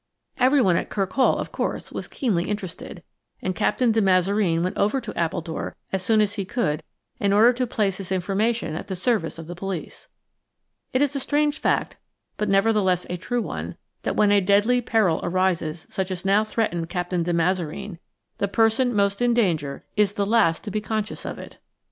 Everyone at Kirk Hall, of course, was keenly interested, and Captain de Mazareen went over to Appledore as soon as he could in order to place his information at the service of the police. It is a strange fact, but nevertheless a true one, that when a deadly peril arises such as now threatened Captain de Mazareen, the person most in danger is the last to be conscious of it.